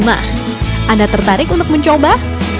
anda tertarik untuk mencoba